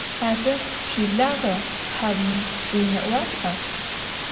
Ade şsuiblağa, haumi vuine'uasa?